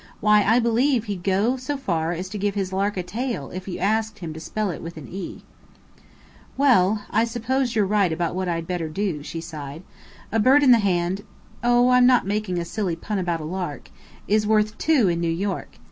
Why, I believe he'd go so far as to give his Lark a tail if you asked him to spell it with an 'e'." "Well I suppose you're right about what I'd better do," she sighed. "A bird in the hand oh, I'm not making a silly pun about a lark is worth two in New York!